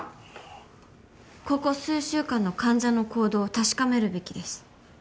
ここ数週間の患者の行動を確かめるべきです。